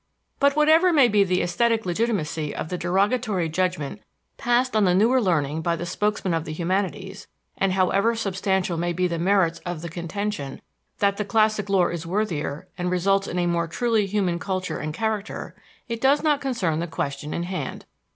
But whatever may be the aesthetic legitimacy of the derogatory judgment passed on the newer learning by the spokesmen of the humanities, and however substantial may be the merits of the contention that the classic lore is worthier and results in a more truly human culture and character, it does not concern the question in hand.